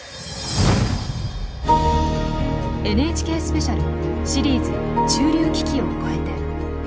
「ＮＨＫスペシャルシリーズ“中流危機”を越えて」。